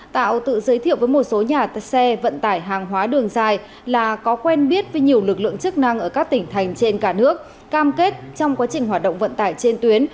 tạo tự giới thiệu với một số nhà xe vận tải hàng hóa đường dài là có quen biết với nhiều lực lượng chức năng ở các tỉnh thành trên cả nước cam kết trong quá trình hoạt động vận tải trên tuyến